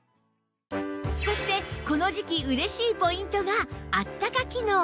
そしてこの時期嬉しいポイントが「あったか機能」